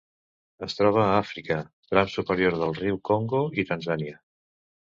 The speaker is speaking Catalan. Es troba a Àfrica: tram superior del riu Congo i Tanzània.